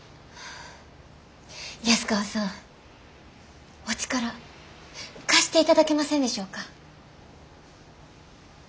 安川さんお力貸していただけませんでしょうか。